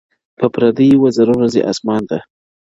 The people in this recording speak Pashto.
په پردیو وزرونو ځي اسمان ته -